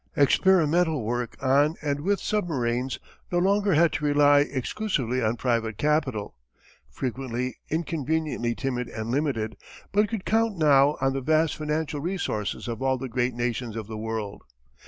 Experimental work on and with submarines no longer had to rely exclusively on private capital, frequently inconveniently timid and limited, but could count now on the vast financial resources of all the great nations of the world.